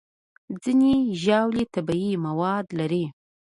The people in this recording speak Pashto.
ځینې ژاولې طبیعي مواد لري.